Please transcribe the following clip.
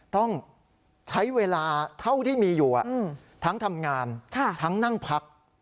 ต้องใช้เวลาเท่าที่มีอยู่ทั้งทำงานทั้งนั่งพัก